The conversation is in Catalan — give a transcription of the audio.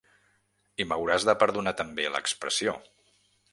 I m'hauràs de perdonar també l'expressió.